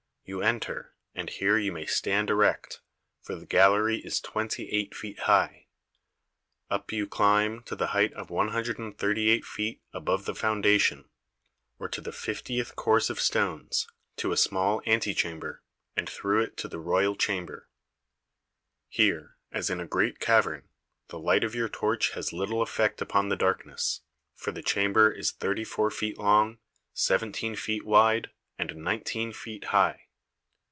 You enter, and here you may stand erect, for the gallery is twenty eight feet high. Up you climb to the height of 138 feet above the foundation, or to the 1 6 THE SEVEN WONDERS fiftieth course of stones, to a small antechamber, and through it to the royal chamber. Here, as in a great cavern, the light of your torch has little effect upon the darkness, for the chamber is thirty four feet long, seventeen feet wide, and nineteen feet high.